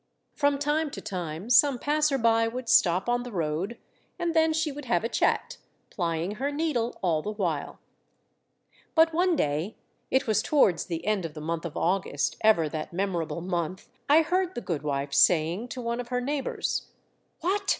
From time to time some passer by would stop on the road, and then she would have a chat, plying her needle all the while. But one day — it was towards the end of the month of August, ever that memorable month !— I heard the goodwife saying to one of her neighbors, — "What!